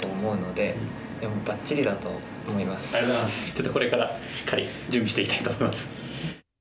ちょっとこれからしっかり準備していきたいと思います。